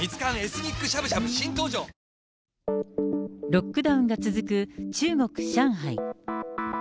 ロックダウンが続く中国・上海。